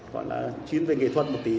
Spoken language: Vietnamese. gọi là chuyên về nghệ thuật một tí